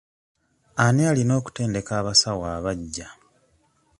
Ani alina okutendeka abasawo abaggya?